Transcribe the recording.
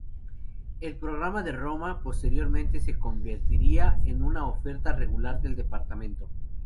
El Programa de Roma posteriormente se convertiría en una oferta regular del Departamento.